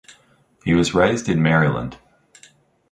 He was raised in Maryland.